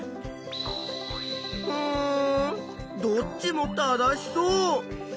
うんどっちも正しそう。